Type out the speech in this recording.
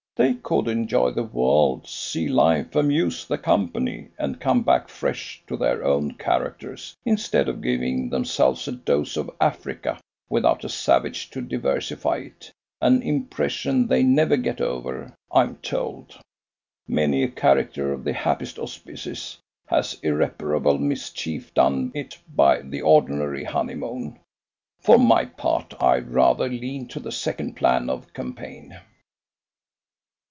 They could enjoy the world, see life, amuse the company, and come back fresh to their own characters, instead of giving themselves a dose of Africa without a savage to diversify it: an impression they never get over, I'm told. Many a character of the happiest auspices has irreparable mischief done it by the ordinary honeymoon. For my part, I rather lean to the second plan of campaign."